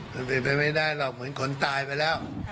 มันเป็นไปไม่ได้หรอกเหมือนคนตายไปแล้ว